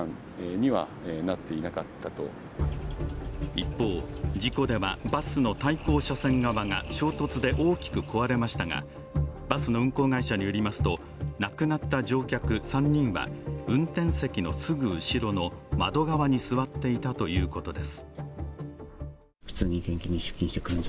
一方、事故ではバスの対向車線側が、衝突で大きく壊れましたがバスの運行会社によりますと、亡くなった乗客３人は運転席のすぐ後ろの窓側に座っていたということです。